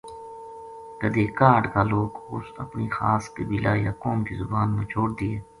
کَدے کاہڈ کالوک اُس اپنی خاص قبیلہ یا قوم کی زبان نا چھو ڈ دیے